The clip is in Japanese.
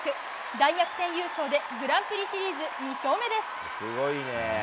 大逆転優勝でグランプリシリーズ２勝目です。